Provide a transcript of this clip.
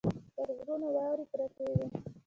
پر غرونو واورې پرتې وې.